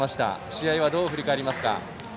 試合をどう振り返りますか。